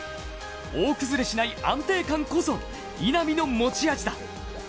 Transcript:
大崩れしない安定感こそ稲見の持ち味だ。